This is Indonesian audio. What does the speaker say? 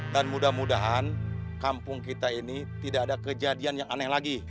dan mudah mudahan kampung kita ini tidak ada kejadian yang aneh lagi